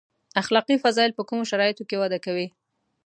اخلاقي فضایل په کومو شرایطو کې وده کوي.